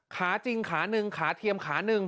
ขาจริงขาหนึ่งขาเทียมขาหนึ่ง